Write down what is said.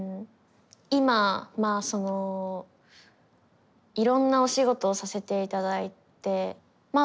今まあそのいろんなお仕事をさせていただいてまあ